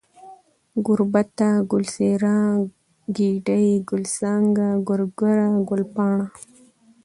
گوربته ، گل څېره ، گېډۍ ، گل څانگه ، گورگره ، گلپاڼه